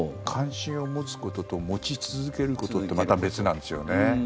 関心を持つことと持ち続けることってまた別なんですよね。